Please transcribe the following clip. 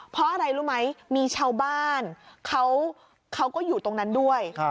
เพราะอะไรรู้ไหมมีชาวบ้านเขาก็อยู่ตรงนั้นด้วย